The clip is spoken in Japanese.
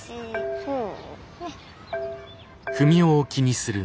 そう？